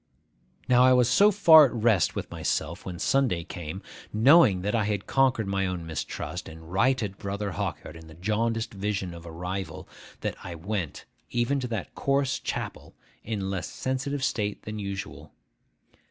Now I was so far at rest with myself, when Sunday came, knowing that I had conquered my own mistrust, and righted Brother Hawkyard in the jaundiced vision of a rival, that I went, even to that coarse chapel, in a less sensitive state than usual.